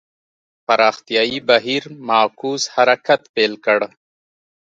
پراختیايي بهیر معکوس حرکت پیل کړ.